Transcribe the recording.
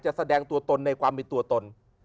จะแสดงตัวตนในความมีตัวตน